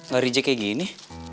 gak reject kayak gini